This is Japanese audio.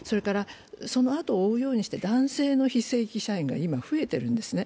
そのあとを追うようにして男性の非正規社員も今、増えているんですね。